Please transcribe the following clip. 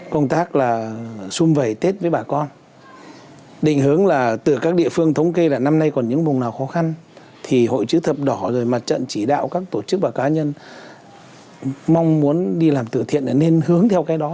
công tác là xung vầy tết với bà con định hướng là từ các địa phương thống kê là năm nay còn những vùng nào khó khăn thì hội chữ thập đỏ rồi mặt trận chỉ đạo các tổ chức và cá nhân mong muốn đi làm từ thiện là nên hướng theo cái đó